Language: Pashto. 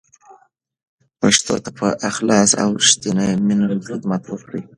پښتو ته په اخلاص او رښتینې مینه خدمت وکړئ.